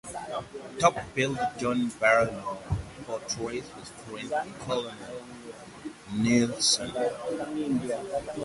Top-billed John Barrymore portrays his friend Colonel Nielsen.